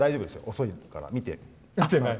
遅いから見てない。